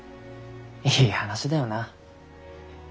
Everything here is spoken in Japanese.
いい話だよな。